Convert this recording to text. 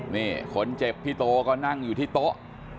นี่คนเจ็บพี่โตก็นั่งอยู่ที่โต๊ะ